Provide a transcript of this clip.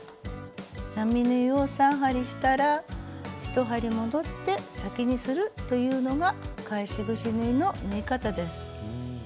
並縫いを３針したら１針戻って先にするというのが返しぐし縫いの縫い方です。